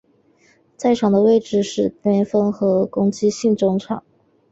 在场上的位置是边锋和攻击型中场。